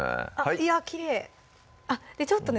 いやぁきれいちょっとね